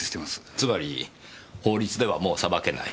つまり法律ではもう裁けない。